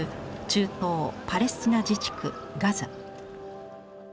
中東パレスチナ自治区ガザ。